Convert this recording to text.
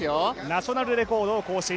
ナショナルレコードを更新